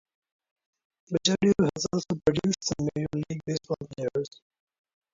Bajadero has also produced some major league baseball players.